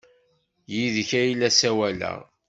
Yid-k ay la ssawaleɣ!